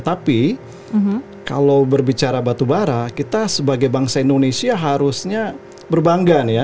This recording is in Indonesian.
tapi kalau berbicara batubara kita sebagai bangsa indonesia harusnya berbangga nih ya